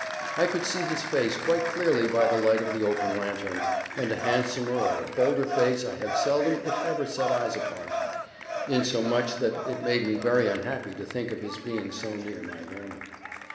I could see his face quite clearly by the light of the open lantern, and a handsomer or a bolder face I had seldom if ever set eyes upon; insomuch that it made me very unhappy to think of his being so near my Lorna.